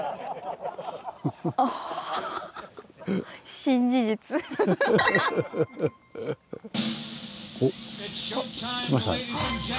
あ。おっ来ましたね。